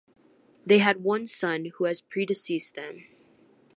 They had one son, who has predeceased them.